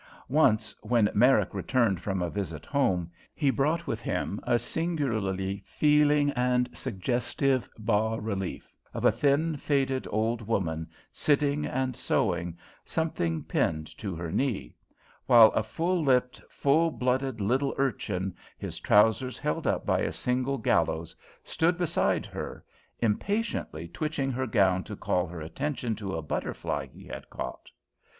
Once when Merrick returned from a visit home, he brought with him a singularly feeling and suggestive bas relief of a thin, faded old woman, sitting and sewing something pinned to her knee; while a full lipped, full blooded little urchin, his trousers held up by a single gallows, stood beside her, impatiently twitching her gown to call her attention to a butterfly he had caught.